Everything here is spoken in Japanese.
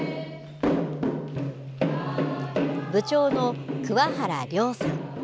部長の桑原諒さん。